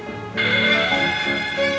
apa yang kamu cari